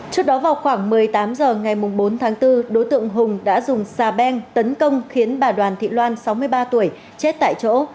trước đó vào khoảng một mươi tám h ngày bốn tháng bốn đối tượng hùng đã dùng xà beng tấn công khiến bà đoàn thị loan sáu mươi ba tuổi chết tại chỗ